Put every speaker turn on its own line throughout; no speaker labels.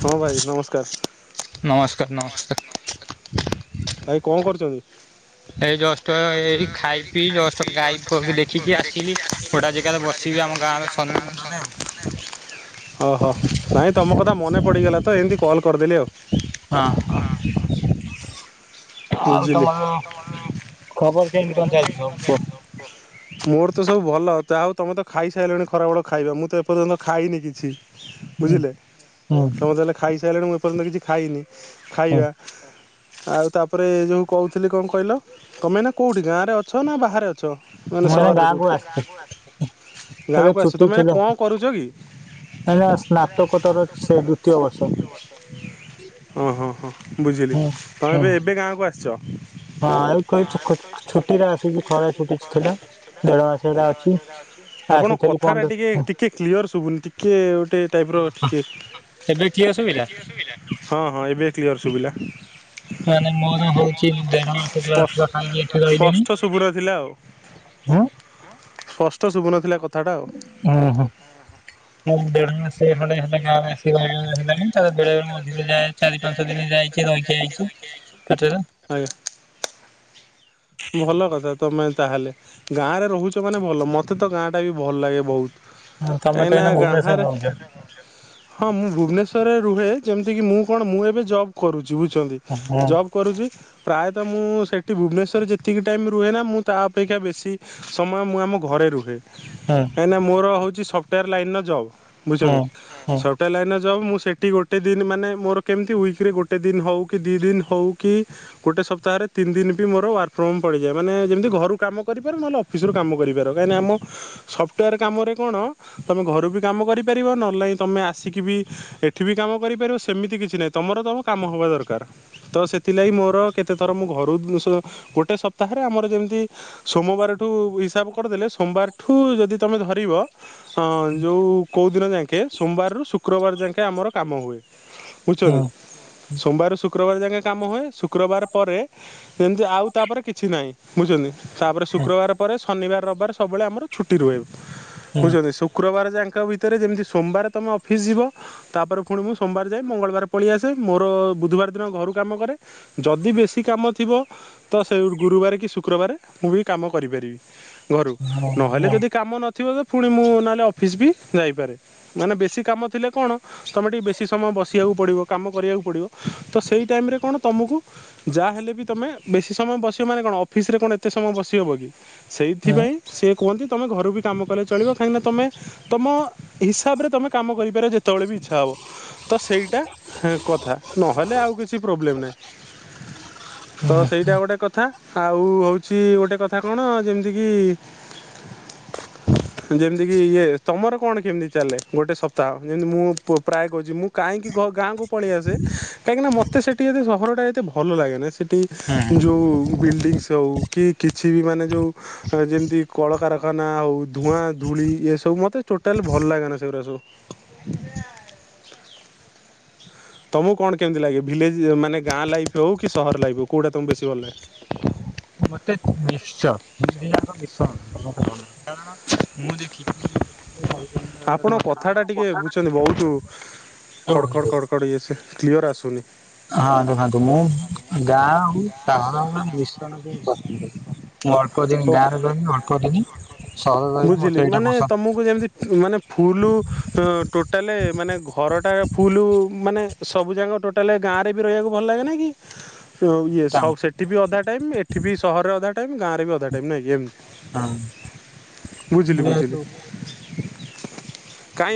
ହଁ ଭାଇ ନମସ୍କାର୍। ଭାଇ କଣ କରୁଛନ୍ତି। [unintelligible] ବସିଛି ଏ ଆମ ଗାଁର ଛକରେ। ଓହୋ ନାଇଁ ତମ କଥା ମନେ ପଡିଗଲା ତ ଏମିତି କଲ୍ କରିଦେଲି ଆଉ। ହଁ ହଁ।
ଆଉ ତମର ଖବର କେମିତି କଣ ଚାଲିଛି କୁହ।
ମୋର ତ ସବୁ ଭଲ ତାହା ହଉ ତମେ ତ ଖାଇସାରିଲଣି ଖରା ବଳ ଖାଇବା। ମୁଁ ତ ଏପର୍ଯ୍ୟନ୍ତ ଖାଇନି କିଛି। ବୁଝିଲେ ତମେ ତ ହେଲେ ଖାଇସାରିଲାଣି। ମୁଁ ଏପର୍ଯ୍ୟନ୍ତ କିଛି ଖାଇନି। ଖାଇବା ଆଉ ତାପରେ ଯୋଉ କହୁଥିଲି କଁ କହିଲ ତମେ ଏନା କୋଉଠି ଗାଁରେଛ ନା ବାହାରେ ଅଛ? ଛ ମାନେ ସହରରେ କୋଉଠି ଗାଁ କୁ ଆସୁଚ ତମେ ଏଇନା କଣ କରୁଚ କି?
ମ ସ୍ନାତକୋତର ସେ ଦ୍ଵିତୀୟ ବର୍ଷ
ଓଁ ହଁ ହଁ ବୁଝିଲି ତମେ ଏବେ ଏବେ ଗାଁକୁ ଆସିଚ? ଆପଣ କଥାଟା ଟିକେ ଟିକେ କ୍ଲିଅର୍ ଶୁଭୁନି ଟିକେ ଗୋଟେ ଟାଇପ୍ ର ଟିକେ
ଏବେ ଠିକ ଅସୁବିଧା
ହଁ ହଁ ଏବେ କ୍ଲିଅର ସୁୁବିଲା।
ମାନେ ମୋର ହୋଉଚି ଦେଢ ମାସେ ପ୍ଲା ଖାଇକି ଏଠି
ସ୍ପଷ୍ଠ ଶୁଭୁନଥିଲା ଆଉ ସ୍ପଷ୍ଟ ଶୁଭୁ ନଥିଲା କ ବା ଆଉ।
ମୁଁ ଦେଢ ସେ ଭଳି ହେଲା ଗାଁରେସ ହେଲାଣି ତା ବେଳେ ବଳେ ମଝିରେ ଯାଏ ଚାରି ପାଞ୍ଚ ଦିନ ଯାଇଚି ରହିଅଛି ଆଇଚି ପାଟିରେ।
ଆଜ୍ଞା। ଭଲ କଥା ତମେ ତାହେଲେ ଗାଁ ରେ ରହୁଚ ମାନେ ଭଲ ମତେ ତ ଗାଁ ଟା ବି ଭଲ ଲାଗେ ବୋହୁତ୍ କାଇଁନା ଗାଁହାରେ ହଁ ମୁଁ ଭୁବନେଶ୍ଵରେ ରୁହେ ଯେମତି କି ମୁଁ କଣ ମୁଁ ଏବେ ଜବ କରୁଛି, ବୁ ଜବ୍ କରୁଛି ପ୍ରାୟତଃ ମୁଁ ସେଠି ଭୁବନେଶ୍ୱରରେ ଯେ ତିକି ଟାଇମ୍ ରୁହେନା ମୁଁ ତା ଅପେକ୍ଷା ବେଶୀ ସମୟ ମୁଁ ଆମ ଘରେ ରୁହେ। କାହିଁନା ମୋର ହୋଉଚି ସଫ୍ଟୱେୟାର୍ ଲାଇନ୍ ର ଜବ୍। ବୁଚନ୍ତି ସଟୱାର୍ ଲାଇନର ଯବ୍ ମୁଁ ସେ ସେ ଗୋଟେ ଦିନ ମାନେ ମୋର କେମିତି ୱିକରେ ଗୋଟେ ଦିନ ହଉ କି ଦି ଦିନ ହଉ କି ଗୋଟେ ସପ୍ତାହରେ ତିନ୍ ଦିନ୍ ବି ମୋର ୱାର୍ ଫମ ପଡିଯାଏ ମାନେ ଯେମିତି ଘରୁକୁ କାମ କରିପାର, ନହେଲେ ଅଫି ରରୁ କାମ କରିପାର କାହିଁକି ଆମ ସଫଟୱାର କାମରେ କଣ ତମେ ଘରୁ ବି କାମ କରିପାରିବ ନହେଲେ ତମେ ଆସିକି ବି ଏଠି ବି କାମ କରିପାରିବ ସେମିତି ଚି କିଛି ନହିଁ ତମର ତମ କାମ ହବା ଦରକାର ତ ସେଥିଲାଗି ମୋର କେତେ ଥର ମୁଁ ଘରୁ ମୁଁ ଗୋ ଟେ ସପ୍ତାହରେ ଆମର ଯେମିତି ସୋମବାରଠୁ ହିସାବ କରିଦେଲେ ସୋମବାରଠୁ ଯଦି ତୁମେ ଧରିବ ଅଁ ଯୋଉ କୋଉ ଦିନ ଯାଙ୍କେ ସୋମବାରରୁୁ ଶୁକ୍ରବାର ଯାଙ୍କେ ଆମର କାମ ହୁଏ। ବୁଝୁଛନ୍ତି ସୋମବାର ସୁଖ ଶୁକ୍ରବାର ଯାକେ କାମ ହୁଏ ଶୁକ୍ରବାର୍ ପରେ ଏମିତି ଆଉ ତାପରେ କିଛି ନାଇଁ ବୁଚନ୍ତି। ତାପରେ ଶୁକ୍ରବାର ପରେ ଶନିବାର ରବିବାର ସବୁବେଳେ ଆମର ଛୁଟି ରୁହେ ବୁଝୁଚନ୍ତି ଶୁକ୍ରବାର ଯା ଭିତରେ ଯେମିତି ସୋମବାରେ ତମେ ଅଫିସ ଯିବ ତାପରେ ପୁଣି ମୁଁ ସୋମବାର ଯାଏ ମଙ୍ଗଳବାର ପଳେଇ ଆସେ ମୋର ବୁଧୁବାର ଦିନ ଘରୁ କାମ କରେ ଯଦି ବେଶୀ କାମ ଥିବ ତ ସେ ଗୁରୁବାରେ କି ଶୁକ୍ରବାରେ ମୁଁ ବି କାମ କରିପାରିବି ଘରୁ ନହେଲେ ଯଦି କାମ ନ ଥିବ ପୁଣି ମୁଁ ନହେଲେ ଅଫିସ ବି ଯାଇପାରେ ମାନେ ବେଶୀ କାମ ଥିଲେ କଣ ତମେ ଟିକେ ବେଶୀ ସମୟ ବସ୍ କିବାକୁ ପଡ଼ିବ କାମ କରିବାକୁ ପଡ଼ିବ ତ ସେଇ ଟାଇମ୍ ରେ କଣ ତୁମକୁ ଯାହା ହେଲେ ବି ତମେ ବେଶୀ ସମୟ ବସିବ ମାନେ କଣ ଅଫିସ ରେ କଣ ଏତେ ସମୟ ବସି ହବ କି ସେଇଥିପାଇଁ ସି କୁହନ୍ତି ତୁମେ ଘରୁ ବି କାମ କଲେ ଚଳିବ କାହିଁକିନା ତୁମେ ତୁମ ହିସାବରେ ତୁମେ କାମ କରିପାର ଯେତବେଳେ ବି ଛାବ ତ ସେଇଟା କଥା ନହେଲେ ଆଉ କିଛି ପ୍ରୋବ୍ଲେମ୍ ନାଇଁ। ସେଇଟା ଗୋଟେ କଥା ଆଉ ହଉଛି ଗୋଟେ କଥା କଣ ଯେମିତି କିି ହ ଯେମିତି କିି ଇଏ ତମର କଣ କେମିତି ଚାଲେ ଗୋଟେ ସପ୍ତାହ ଯେଏଁତି ମୁଁ ପ୍ରାୟ କୋହୁଚି ମୁଁ କାହିଁକି ଗାଁ କୁ ପଳେଇ ଆସେ କାହିଁକି ନାନା ମତେ ସେଠି ଯଦି ସହର ଟା ଏତେ ଭଲ ଲାଗେ ନା ସେଠି ଯଉ ବିଲ୍ଡିଙ୍ଗସ୍ ହଉ କି କିଛି ବି ମାନେ ଯଉଁ ଯେମିତି କଳକାରଖାନା ହଉ ଧୂଆଁ ଧୁ ପୁଣି ଏ ସବୁ ମତେ ଟୋଟାଲି ଭଲ ଲାଗେନା ସେଗୁରା ସବୁ। [inaudible] ତମକୁ କଣ କେମିତି ଲାଗେ ଭିଲେଜ ମାନେ ଗାଁ ଲାଇଫ୍ ହଉ କି ସହର ଲାଇଫ୍ ହଉ କୋଉଟା ତମକୁ ବେଶୀ ଭଲ ଲାଗେ? [unintelligible]
ମତେ ମେଷ ଦିଟାଯାକ ମିଶ୍ରଣ ମତେ ଭଲ ଲାଗେ କାରଣ ମୁଁ ଦେଖି [unintelligible] [unintelligible] ହଁ ଦେଖନ୍ତୁ ମୋ ଗାଁ ଆଡ଼ୁ ତାହା ଭୀଷଣକୁ ମୁଁ ପସନ୍ଦକରେ। ମୁଁ ଅଳ୍ପ ଦିନ ଗାଁରେ ରହିବି ଅଳ୍ପ ଦିନ ସହରରେ ରହିବି ମତେ ଏଇଟା ପସନ୍ଦ।
ଫୁଲୁ ହଁ ଟୋଟାଲେ ମାନେ ଘରଟାଜା ଫୁଲୁ ମାନେ ସବୁ ଯାକ ଟୋଟାଲେ ଗାଁରେ ବି ରହିବାକୁ ଭଲ ଲାଗେ ନାଇଁ କି? ଆଉ ଇଏ ସ ସେଠି ବି ଅଧା ଟାଇମ୍ ଏଠି ବି ସହରରେ ଅଧା ଟାଇମ୍ ଗାଁରେ ବି ଅଧା ଟାଇମ ନାଇଁ ଗେମ୍ ବୁଝିଲି ବୁଝିଲି।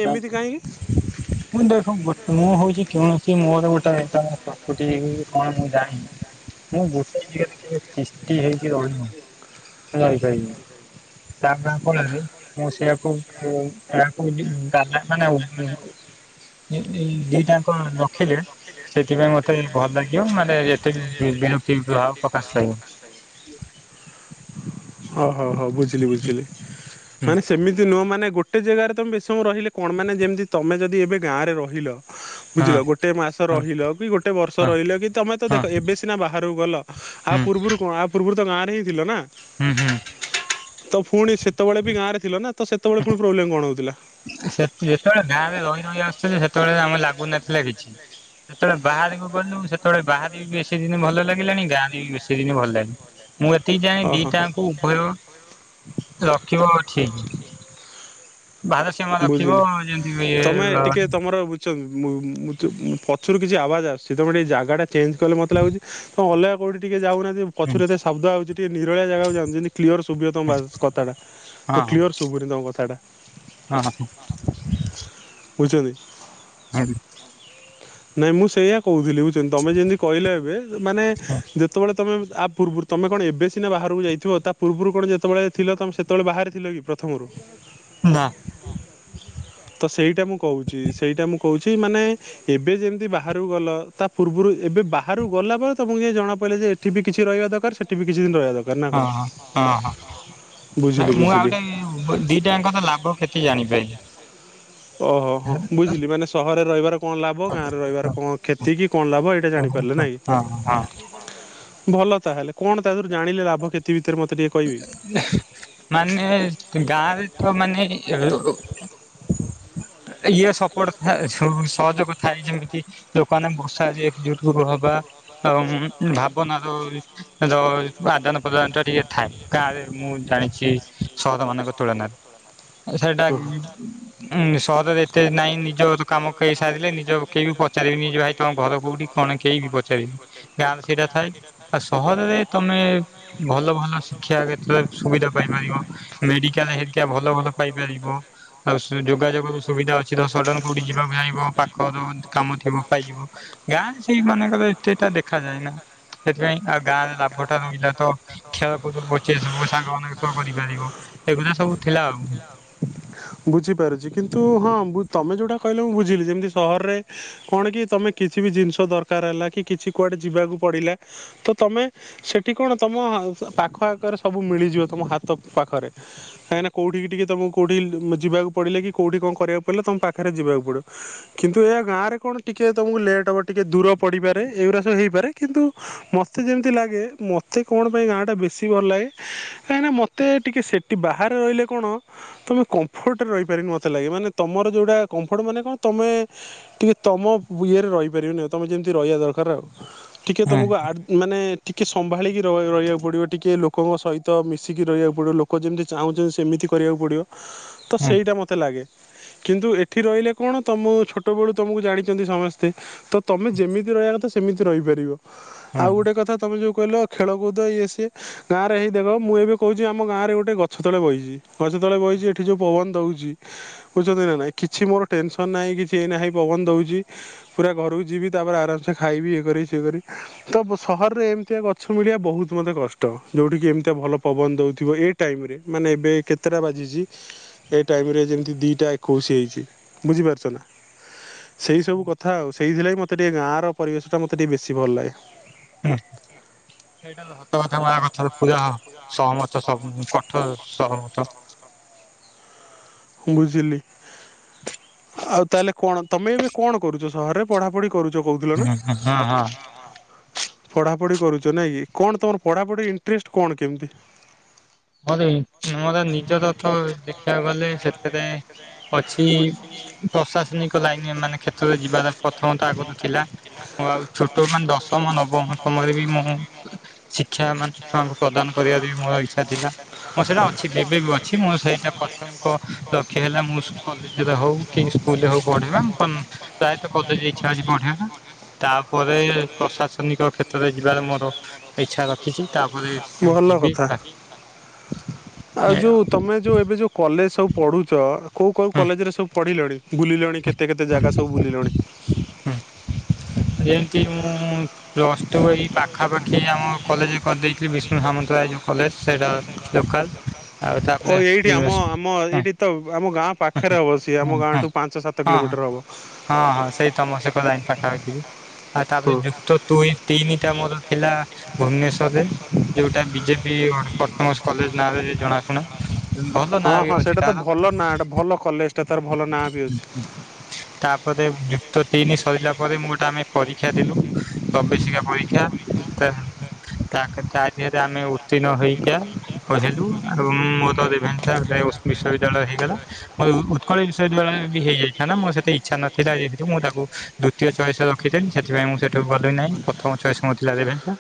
ମୁଁ ଦେଖଗୋଟ୍ ମୁଁ ହଉଛି କୌଣସି ମୋର ଗୋଟ୍‌ ତାଙ୍କେ ତାଙ୍କର ପ୍ରକୃତି କଣ ମୁଁ ଜାଣିନି। ମୁଁ ଗୋଟାଏ ଜିଗାରେ କେବେ ତିଷ୍ଟି ହେଇକି ରହିନି ରହିପାରିବିନି। [unintelligible] [unintelligible] କଣ ନଖିଲେ ସେଥିପାଇଁ ମତେ ଭଲ ଲାଗିବ ମାନେ ଏତେ ବି ବି ବିରକ୍ତି ପ୍ରଭାବ ପ୍ରକାଶ ପାଇ ହୁଁ।
ହଉ ହଉ ହଉ ବୁଝିଲି ବୁଝିଲି ମାନେ ସେମିତି ନୁହଁ ମାନେ ଗୋ ଟେ ଜେଗାରେ ତମେ ବେଶୀ ସମୟ ରହିଲେ କଣ ମାନେ ଯେମିତି ତମେ ଯଦି ଏବେ ଗାଁରେ ରହିଲ? ବୁଝିଲ ଗୋଟେ ମାସ ରହିଲ କି? ଗୋଟେ ବର୍ଷ ରହିଲ କି ତମେ ତ ଦେଖ ଏବେ ସିନା ବାହାରକୁ ଗଲ ପୂର୍ବୁରୁ କଣ ଆ ପୂର୍ବୁରୁ ତ ଗାଁରେ ହି ଥିଲ ନା?
ହୁଁ ହୁଁ।
ପୁଣି ସେତବେଳେ ବି ଗାଁରେ ଥିଲ ନା ତ ସେତବେଳେ ପୁଣି ପ୍ରୋବ୍ଲେମ୍ କଣ ହଉଥିଲା?
ସେ ଯେତବେଳେ ଗାଁରେ ରହି ରହି ଆସୁଥିଲେ ସେ ସେତବେଳେ ଆମ ଲାଗୁନଥିଲା କିଛି ଯେତ ବେଳେ ବାହାରକୁ ଗଲୁ ସେତବେଳେ ବାହାରେ ବି ବେଶ୍ ସେ ଦିନ ମୁୁଁ ମୁଁ ଏତିକି ଜାଣେ ଦିଟାଙ୍କୁ ଉଭୟ ରଖିବ ଠିକ୍।
ବୁଝିଲି ତମେ ଟିକେ ତମର ବୁଝଉ ମୁଁ ମୁଁ ଯେ ମୁଁ ପଛରୁ କିଛି ଆବାଜ ଆସୁଛି ତୁମର ଟିକେ ଜାଗାଟା ଚେଞ୍ଜ କଲେ ମୋତେ ଲାଗୁଛି ତମେ ଅଲଗା କେଉଁଠି ଟିକେ ଯାଉନାହାନ୍ତି ପଛରୁ ଏତେ ଶବ୍ଦ ଆଉଛି। ଟିକେ ନିରଳିଆ ଜାଗାକୁ ଯାଉଛନ୍ତି ଯେମତି କ୍ଲିଅର ଶୁଭ୍ୟତମ କଥାଟା। ମୁଁ କ୍ଲିଅର ଶୁଭୁନି ତମ କଥାଟା
ହଁ ହ ହଁ।
ବୁଝିଛନ୍ତି।
[inaudible]
ନାଇଁ ମୁଁ ସେଇୟା କହୁଥିଲି ବୁଝୁଛନ୍ତି ତମେ ଯେମିତି କହିଲ ଏବେ ମାନେ ଯେତେବେଳେ ତମେ ଆ ପୂର୍ବରୁ ତମେ କଣ ଏବେ ସିନା ବାହାରକୁ ଯାଇଥିବ ତା ପୂର୍ବରୁ କଣ ଯେତବେଳେ ଥିଲ ତମେ ସେତବେଳେ ବାହାରେ ଥିଲ କି ପ୍ରଥମରୁ? ତ ସେଇଟା ମୁଁ କହୁଛି ସେଇଟା ମୁଁ କହୁଛି ମାନେ ଏବେ ଯେମିତି ବାହାରୁକୁ ଗଲ ତା ପୂର୍ବରୁ ଏବେ ବାହାରୁ ଗଲା ପରେ ତମକୁ ଯାଇ ଜଣା ପଡ଼ିଲେ ଯେ ଏଠି ବି କିଛି ରହିବା ଦରକାର ସେଠି ବି କିଛି ଦିନ ରହିବା ଦର
ହଁ ହ ହଁ ହ। ହଉ ମୁଁ ଆଉ ଗୋଟେ ବ ଦିଇଟାଙ୍କର ଲାଭ କ୍ଷତି ଜାଣି ପାଇଲି।
ଓହୋ ହଁ ବୁଝିଲି ମାନେ ସହରରେ ରହିବାର କଣ ଲାଭ ଗାଁରେ ରହିବାର କଣ କ୍ଷତି କି କଣ ଲାଭ ଏଇଟା ଜାଣି
ହଁ ହଁ।
ଭଲ ତାହେଲେ କଣ ତା ଦେହରୁ ଜାଣିଲେ ଲାଭ କ୍ଷତି ଭିତରେ ମତ୍
ମାନେ ଗାଁରେ ତ ମାନେ ଇଏ ବା ସପୋର୍ଟ ଥାଏ ସ ସହଜ କଥା ଯେମିତି ଲୋକମାନଙ୍କୁ ଘୋଷାଯାଏ ଯୋଉଠିକୁ ହବା ବା ଆଉ ଉମ୍ ଭାବନାର‌ ର ଆଦାନ ପ୍ରଦାନଟା ଟିକେ ଥାଏ କାଁରେ ମୁଁ ଜାଣିଛି ସହର ମାନଙ୍କ ତୁଳନାରେ। ସେଇଟା ଉ ସହରରେ ଏତେ ନାଇଁ ନିଜ କାମ କେଇ ସାରିଲେ ନିଜ କେହି ବି ପଚ ପାରିବିନି ଯେ ଭାଇ ତମ ଘର କଉଠି କଣ କେହି ବି ପଚାରିବେ ଗାଁରେ ସେଇଟା ଥାଏ ଆଉ ସହରରେ ତମେ ରେ ଭଲ ଭଲ ଶିକ୍ଷା କ୍ଷେତ୍ରରେ ସୁବିଧା ପାଇପାରିବ ମେଡିକାଲ ହେକ୍ୟା ଭଲ ଭଲ ପାଇପାରିବ। ଆଉ ସେ ଯୋଗାଯୋଗର ସୁବିଧା ଅଛି ତ ସଡନ କଉଠି ଯିବାକୁ ଯାଇଁବ ପାଖର କାମ ଥିବ ପାଇଯିବ। ଗାଁରେ ସେଇ ମାନଙ୍କରେ ଏତେଟା ଦେଖାଯାଏନା। ସେଥିପାଇଁ ଆଉ ଗାଁ ରେ ଲାଭ ଟା ରହିଲା ତ ଖେଳ କୁ ଜଉ ବୋଝିଆ ସବୁ ସାଙ୍ଗ ମାନଙ୍କ ସହ କରିପାରିବ ଏଗୁଡା ସବୁ ଥିଲା ଆଉ।
ବୁଝିପାରୁଛି କିନ୍ତୁ ହଁ ତମେ ଯଉଟା କହିଲ ମୁଁ ବୁଝିଲି ଯେମିତି ସହରରେ କଣ କି ତମେ କିଛି ବି ଜିନିଷ ଦରକାର ହେଲା କି କିଛି କୁଆଡେ ଯିବାକୁ ପଡିଲା ତ ତମେ ସେଠି କଣ ତମ ଆଉ ପାଖ ଆଖରେ ସବୁ ମିଳିଯିବ ତମ ହାତ ପାଖରେ କାହିଁକିନା କଉଠିକି ଟିକେ ତମକୁ କଉଠି ଯିବାକୁ ପଡିଲେ କି କୋଉଠି କଣ କରିବାକୁ ପଡିଲେ ତମ ପାଖରେ ଯିବାକୁ ପଡିବ କିନ୍ତୁ ଏହା ଗାଁରେ କଣ ଟିକେ ତମକୁ ଲେଟ ହବ ଟିକେ ଦୂର ପଡ଼ିପାରେ ଏଗୁଡ଼ା ସବୁ ହେଇପାରେ କିନ୍ତୁ ମତେ ଯେମିତି ଲାଗେ ମୋତେ କଣ ମୁଁ ଏଇ ଗାଁଟା ବେଶୀ ଭଲ ଲାଗେ କାହିଁକିନା ମତେ ଟିକେ ସେଟି ବାହାରେ ରହିଲେ କଣ ତମେ କମ୍ ଫୋଟରେ ରହିପାରିବ ମତେ ଲାଗେ ମାନେ ତମର ଯଉଟା କମ୍ଫୋର୍ଟ ମାନେ କଁ ତମେ ଟିକେ ତମ ଇଏରେ ରହିପାରିବିନି ଆଉ ତମେ ଯେମତି ରହିବା ଦରକାର ଆଉ ଟିକେ ତମକୁ ଆର୍ ମାନେ ଟିକେ ସମ୍ଭାଳିକି ର ରଇବାକୁ ପଡ଼ିବ ଟିକେ ଲୋକଙ୍କ ସହିତ ମିଶିକି ରହିବାକୁ ପଡ଼ିବ ଲୋକ ଯେମତି ଚାହୁଁଛନ୍ତି ସେମିତି କରିବାକୁ ପଡିବ ତ ସେଇଟା ମତେ ଲାଗେ। କିନ୍ତୁ ଏଠି ରହିଲେ କଣ ତମ ଛୋଟ ବେଳୁ ତମକୁ ଜାଣିଚନ୍ତି ସମସ୍ତେ ତମେ ଯେମିତି ର ରଇୟା କଥା ସେମିତି ରହିପାରିବ ଆଉ ଗୋଟେ କଥା ତମେ ଯଉ କହିଲ ଖେଳ କୁଦ ଇଏ ସିଏ ଗାଁରେ ହେଇ ଦେଖ ମୁଁ ଏବେ କହୁଛି ଆମ ଗାଁ ରେ ଗୋଟେ ଗଛ ତଳେ ବଇଚି ଗଛ ତଳେ ବଇଚି ଏଠି ଯଉ ପବନ ଦଉଚି ବୁଝୁଛନ୍ତି ନା ନାଇଁ କିଛି ମୋର ଟେନସନ ନାହିଁ କିଛି ଏଇନା ହେଇ ପବନ ଦଉଚି ପୁରା ଘରକୁ ଯିବି ତାପରେ ଆରାମସେ ଖାଇବି ଇଏ କରିବି ସିଏ କରିବି ତ ସହରରେ ଏମତିଆ ଗଛ ମିଳିବା ବହୁତ ମୋତେ କଷ୍ଟ ଯଉଠିକି ଏମତିୟା ଭଲ ପବନ ଦେଉଥିବ ଏ ଟାଇମରେ ମାନେ ଏବେ କେତେଟା ବାଜିଛି। ଏ ଟାଇମ ରେ ଯେମିତି ଦିଟା ଏକୋଇଶୀ ହେଇଛି ବୁଝିପାରୁଚ ନା। ସେଇ ସବୁ କଥା ଆଉ ସେଇଥିଲାଗି ମତେ ଟିକେ ଗାଁ ର ପରିବେଶ ଟା ମତେ ଟିକେ ବେଶୀ ଭଲ ଲାଗେ।
ସହମତ ସବ୍ କଠୋର ସହମତ।
ବୁଝିଲି ଆଉ ତାହେଲେ କଣ ତମେ ଏବେ କଣ କରୁଛ ସହରରେ ପଢାପଢି
ହୁଁ ହଁ ହଁ।
ପଢାପଢି କରୁଚ ନାଇଁ କି କଣ ତମର ପଢାପଢି ଇଣ୍ଟରେଷ୍ଟ କଣ କେମିତି?
ମରେଇ ମୋ କଥା ନିଜ ଦଥ ଦେଖିବାକୁ ଗଲେ ସେଥିରେ ଅଛି ପ୍ରଶାସ ଆଧୁନିକ ଲାଇନ ମାନେ କ୍ଷେତ୍ରରେ ଯିବାର ପ୍ରଥମ ତ ଆଗରୁ ଥିଲା ଆଉ ଛୋଟ ମାନେ ଦଶମ ନବମ ସମୟରେ ବି ମୁଁ ଶିକ୍ଷା ମା ଙ୍କୁ ପ୍ରଦାନ କରିବା ବି ମୋ ଇଚ୍ଛା ଥିଲା ହଁ ସେଇଟା ଅଛି। ଏବେ ବି ଅଛି ମୋର ସେଇଟା ପ୍ରଥମିକ ଲକ୍ଷ୍ୟ ହେଲା ମୁଁ କଲେଜରେ ହଉ କି ସ୍କୁଲରେ ହଉ ପଢ଼େଇ ରାମ ପମ ପ୍ରାୟତଃ କଲେଜରେ ଇଚ୍ଛା ଅଛି ପଢେଇବା ପାଇଁ। ତାପରେ ପ୍ରଶାସନିକ କ୍ଷେତ୍ରରେ ଯିବାର ମୋର ଇଚ୍ଛା ରଖିଛି ତାପରେ
ଭଲ କଥା। ଆଉ ଯଉ ତମେ ଯଉ ଏବେ ଯଉ କଲେଜ ସବୁ ପଢୁଚ କୋଉ କୋଉ କଲେଜରେ ସବୁ ପଢିଲଣି ବୁଲିଲଣି କେତେ କେତେ ଜାଗା ସବୁ ବୁଲିଲଣି।
ଯେମତି ମୁଁ ଜଷ୍ଟ ଏଇ ପାଖାପାଖିରେ କି ଆମ କଲେଜରେ କରିଦେଇଥିଲି ବିଷ୍ଣୁ ସାମନ୍ତରାୟ ଯଉ କଲେଜ ସେଇଟା ଲୋକାଲ।
ଓ ଏଇଠି ଆମ ଆମ ଏଇଠି ତ ଆମ ଗାଁ ପାଖରେ ହବ ସିଏ ଆମ ଗାଁଠୁ ପାଞ୍ଚ ସାତ କିଲୋମିଟର [inaudible]
ହଁ ହଁ ସେଇ ତମ ସେ ପ ଲାଇନ୍ ପାଖାପାଖି। ଆ ତାପରେ ଯୁକ୍ତଦୁଇ ତିନିଟା ମୋର ଥିଲା ଭୁବନେଶ୍ଵରରେ। ଯୋଉଟା ବିଜେପି ପ୍ରଥମ ସ୍କଲ
ହଁ ହଁ ସେଇଟା ତ ଭଲ ନାଟା ଭଲ କଲେ
ତାପରେ ଯତ ତିନି ସରିଲା ପରେ ମୁଁ ଗୋଟେ ଆମେ ପରୀକ୍ଷା ଦେଲୁ ପରୀକ୍ଷା ତା ଦେହରେ ଆମେ ନ ହୋଇଇକ ହେଲୁ ଆ ମୋର ତ ରେଭେନ୍ସା ବିଶ୍ୱବିଦ୍ୟାଳୟ ହେଇଗଲା। ଷଳେ ବି ହେଇଯାଇଥା ନା ମୋ ସେତେ ଇଚ୍ଛା ନଥିଲା ଯେହେତୁ ମୁଁ ତାକୁ ଦ୍ୱଵୀୟ ଚଏସ ରଖିଥିଲି ସେଥିପାଇଁ ମୁଁ ସେଠୁ ଗଲି ନାହିଁ ପ୍ରଥମ ଚଏସ ଥିଲା ରେଭେନ୍ସା।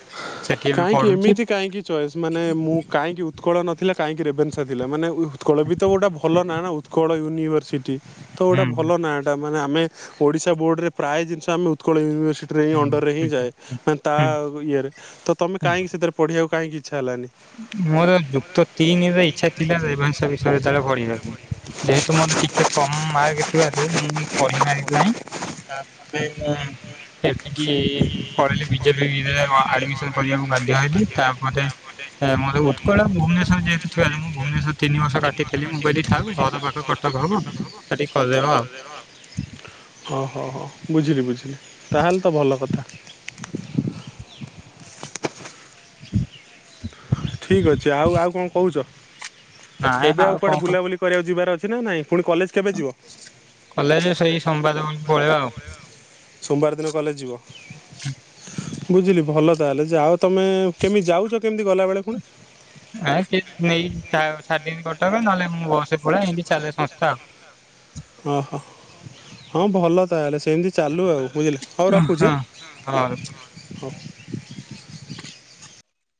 କାହିଁକି ଏମିତି କାହିଁକି ଚଏସ୍ ମାନେ ମୁଁ କାହିଁକି ଉତ୍କଳ ନଥିଲା କାହିଁକି ରେବେନ୍ସା ଥିଲା ମାନେ ଉତ୍କଳ ବି ତ ଗୋଟେ ଭଲ ନାଁ ନା ଉତ୍କଳ ୟୁନିଭର୍ସିଟି ତ ଗୋଟା ଭଲ ନାଁଟା ମନେ ଆମେ ଓଡିଶା ବୋର୍ଡରେ ପ୍ରାୟ ଜିନିଷ ଆମେ ଉତ୍କଳି ଅଣ୍ଡରରେ ହିଁ ଯାଏ ମାନେ ତା ଇଏରେ ତ ତମେ କାହିଁକି ସେଥିରେ ପଢିବାକୁ କାହିଁକି
ମୋର ଯୁକ୍ତ ତିନିର ଇଚ୍ଛା ଥିଲା ରେଭେନ୍ସା ବିଶ୍ଵବିଦ୍ୟାଳୟ ରେ ପଢିବାକୁ ଯେହେତୁ ମତେ ଟିକେ କମ ମାର୍କ ଥିବାରୁ ମୁଁ ପଢ଼ି ପାରିଲି ନାହିଁ ତାପରେ ମୁଁ ପଢେଇ ବିଜେପିରେ ଆଡମିସନ କରିବାକୁ ବାଧ୍ୟ ହେଇଲି ତାପରେ ମୋର ଉତ୍କଳ ଭୁବନେଶ୍ୱର ଯେହେତୁ ଥିବା ମୁ ଭୁବନେଶ୍ୱଵର ତିନିବର୍ଷ କାଟିଥିଲି ମୁଁ କହଲି ଥାଉ ଘର ପାଖ କଟକ ହବ ସେଠିକ କରିଦବା ଆଉ।
ହଁ ହ ହୋ ବୁଝିଲି ବୁଝିଲି ତାହେଲେ ତ ଭଲ କଥା ଠିକ ଅଛି ଆଉ ଆଉ କଣ କହୁଛ ଏବେ ଆଉ କୁଆଡେ ବୁଲାବୁଲି କରିବାକୁ ଯିବାର ଅଛି
କଲେଜ ସେଇ ସମ୍ବାଦ ବୁଲି ପଳେଇବା ଆଉ।
ସୋମବାର ଦିନ କଲେଜ ଯିବ ବୁଝିଲି ଭଲ ତାହେଲେ ଯଅ। ତମେ କେମିତି ଯାଉଛ କେମିତି ଗଲାବେଳେ ପୁଣି
ଚାରି ଦିନ କଟକ ନହେଲେ ମୁଁ ବସରେ ପଳାଏ ଏମତୀ ଚାଲେ ସଂସ୍ଥା ଆଉ
ଓହୋ ହଉ ଭଲ ତାହାଲେ ସେମତି ଚାଲୁ ଆଉ ବୁଝିଲି ହଉ ରଖୁଛି ଆଁ ହଉ।
[inaudible]